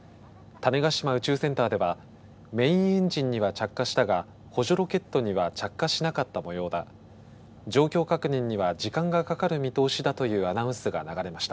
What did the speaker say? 種子島宇宙センターではメインエンジンには着火したが補助ロケットには着火しなかったもようだ状況確認には時間がかかる見通しだというアナウンスが流れました。